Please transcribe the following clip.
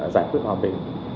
giải quyết hòa bình